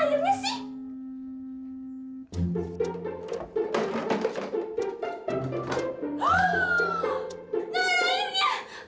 ga ada airnya aduh